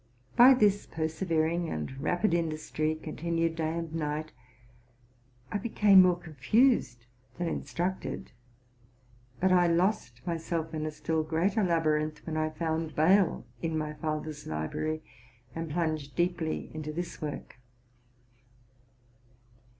By this persevering and rapid industry, con tinued day and night, I became more confused than in structed ; but I lost myself in a still greater labyrinth when I found Bayle in my father's library, and plunged deeply into this work.